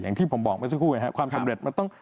อย่างที่ผมบอกเมื่อสักครู่นะครับความสำเร็จมันต้อง